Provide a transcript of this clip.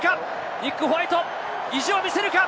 ニック・ホワイト、意地を見せるか。